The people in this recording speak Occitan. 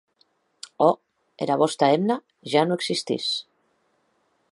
Òc, era vòsta hemna ja non existís.